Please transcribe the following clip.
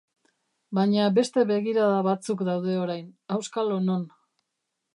Baina beste begirada batzuk daude orain, auskalo non.